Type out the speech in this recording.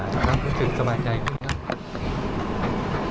แล้วตอนที่สามารถมากมีสิ่งที่สบายใจขึ้นได้